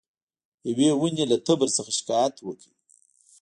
یوې ونې له تبر څخه شکایت وکړ.